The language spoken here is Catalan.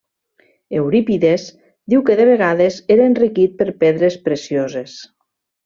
Eurípides diu que de vegades era enriquit per pedres precioses.